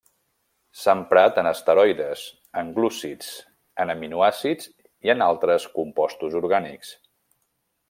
S'ha emprat en esteroides, en glúcids, en aminoàcids i en altres compostos orgànics.